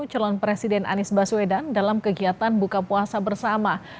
calon presiden anies baswedan dalam kegiatan buka puasa bersama